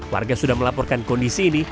warga sudah melaporkan kondisi ini